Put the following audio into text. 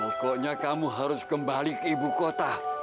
pokoknya kamu harus kembali ke ibu kota